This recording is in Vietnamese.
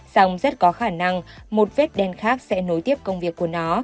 song rất có khả năng một vết đen khác sẽ nối tiếp công việc của nó